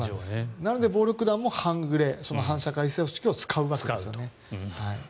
なので、暴力団も半グレ反社会組織を使うわけですね。